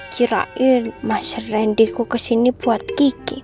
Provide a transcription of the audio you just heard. kirain mas randiku kesini buat gigi